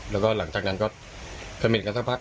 แล้วก็หลังจากนั้นก็เขม่นกันสักพัก